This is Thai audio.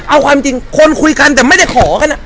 เอาความจริงคนคุยกันแต่ไม่ได้ขอกัน